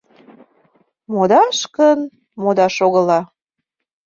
Модаш гын, модаш огыла.